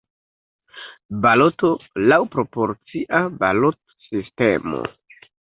Baloto laŭ proporcia balotsistemo.